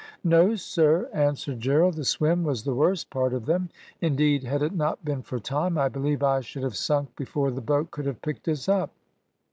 "No, sir," answered Gerald. "The swim was the worst part of them; indeed, had it not been for Tom, I believe I should have sunk before the boat could have picked us up."